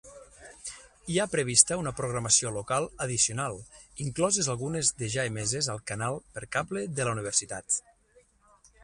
Hi ha prevista una programació local addicional, incloses algunes de ja emeses al canal per cable de la universitat.